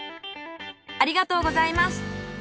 ありがとうございます。